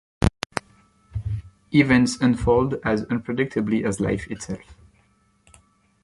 Events unfold as unpredictably as life itself.